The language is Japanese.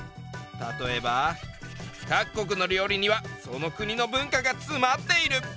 例えば「各国の料理にはその国の文化がつまっている」。